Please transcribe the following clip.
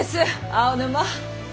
青沼！